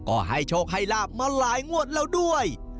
ก็ให้โชคให้ลาบมาหลายงวดแล้วด้วย